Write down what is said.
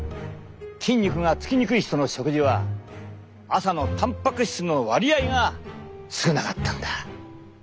筋肉がつきにくい人の食事は朝のたんぱく質の割合が少なかったんだ！